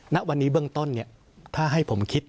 ณวันนี้เบื้องต้นถ้าให้ผมคิด